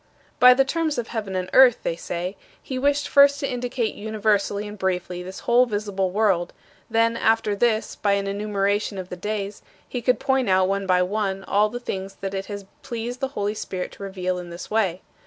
"By the terms of heaven and earth," they say, "he wished first to indicate universally and briefly this whole visible world; then after this, by an enumeration of the days, he could point out, one by one, all the things that it has pleased the Holy Spirit to reveal in this way.